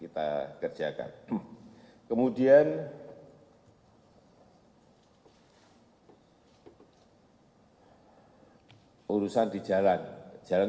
di jalur lintas timur sumatra